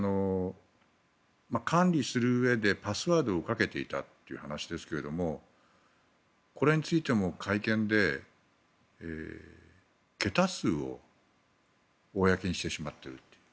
管理するうえでパスワードをかけていたという話ですけどこれについても会見で、桁数を公にしてしまっているという。